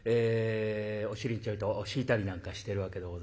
お尻にちょいと敷いたりなんかしてるわけでございます。